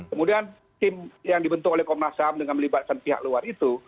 kemudian tim yang dibentuk oleh komnas ham dengan melibatkan pihak luar itu